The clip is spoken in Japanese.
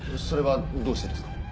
それはどうしてですか？